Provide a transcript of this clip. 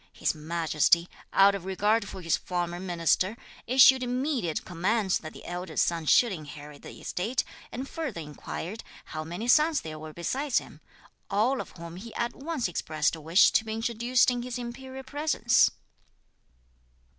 His Majesty, out of regard for his former minister, issued immediate commands that the elder son should inherit the estate, and further inquired how many sons there were besides him, all of whom he at once expressed a wish to be introduced in his imperial presence.